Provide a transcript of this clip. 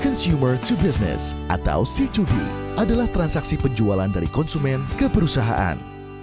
consumer to business atau c dua d adalah transaksi penjualan dari konsumen ke perusahaan